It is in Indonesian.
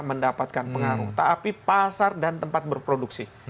mendapatkan pengaruh tapi pasar dan tempat berproduksi